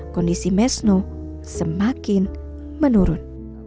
kondisi mesno semakin menurun